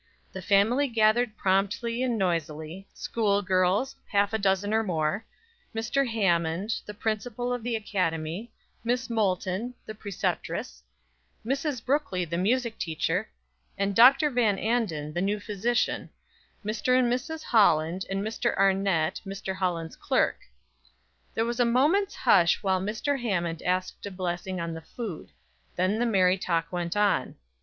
The family gathered promptly and noisily school girls, half a dozen or more, Mr. Hammond, the principal of the academy, Miss Molten, the preceptress, Mrs. Brookley, the music teacher, Dr. Van Anden, the new physician, Mr. and Mrs. Holland, and Mr. Arnett, Mr. Holland's clerk. There was a moment's hush while Mr. Hammond asked a blessing on the food; then the merry talk went on.